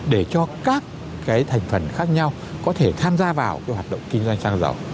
để cho các cái thành phần khác nhau có thể tham gia vào cái hoạt động kinh doanh xăng dầu